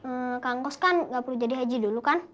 kak angkos kan enggak perlu jadi haji dulu kan